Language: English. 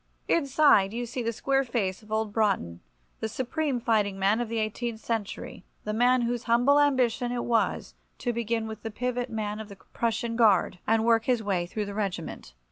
Inside you see the square face of old Broughton, the supreme fighting man of the eighteenth century, the man whose humble ambition it was to begin with the pivot man of the Prussian Guard, and work his way through the regiment.